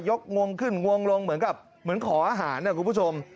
งวงขึ้นงงลงเหมือนกับเหมือนขออาหารนะคุณผู้ชม